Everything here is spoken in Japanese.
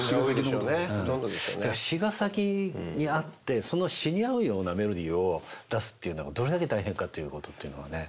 詞が先にあってその詞に合うようなメロディーを出すっていうのがどれだけ大変かっていうことっていうのはねあるんですよね。